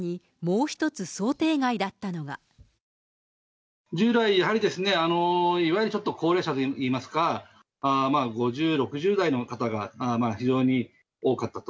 さらに、従来、やはり、いわゆるちょっと高齢者といいますか、まあ５０、６０代の方が非常に多かったと。